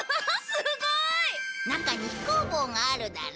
すごい！中に飛行帽があるだろ？